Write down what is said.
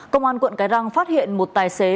công an quận cái răng phát hiện một tài xế